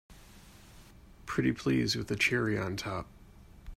Pretty please with a cherry on top!